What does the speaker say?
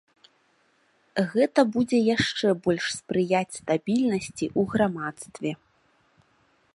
Гэта будзе яшчэ больш спрыяць стабільнасці ў грамадстве.